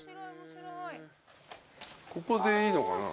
ここでいいのかな？